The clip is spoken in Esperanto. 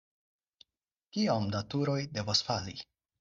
Kiom da turoj devos fali?